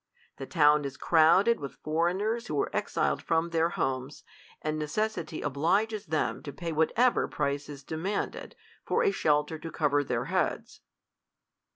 The town is crowded with foreigners who are exiled from their homes, and necessity obliges them to pay whatever price is demanded, for a shelter tQ cover their heads.